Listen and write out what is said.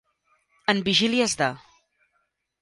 En vigílies de.